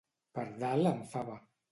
Pardal amb fava.